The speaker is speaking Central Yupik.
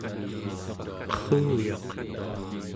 qerruyaq